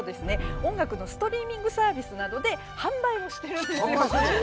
音楽のストリーミングサービスなどで販売をしてるんですよ。